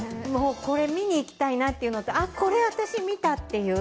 これ、見に行きたいなというのとこれ、私、見たという。